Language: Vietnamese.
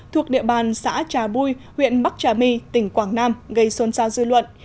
thuộc địa bàn xã trà bui huyện bắc trà my tỉnh quảng nam gây xôn xao dư luận